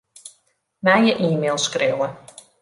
Nije e-mail skriuwe.